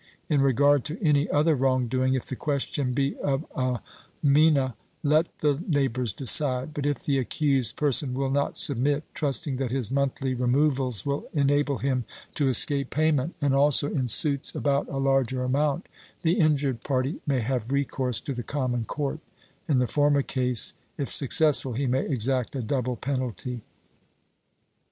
In regard to any other wrong doing, if the question be of a mina, let the neighbours decide; but if the accused person will not submit, trusting that his monthly removals will enable him to escape payment, and also in suits about a larger amount, the injured party may have recourse to the common court; in the former case, if successful, he may exact a double penalty.